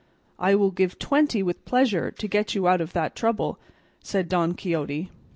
"I will give twenty with pleasure to get you out of that trouble," said Don Quixote.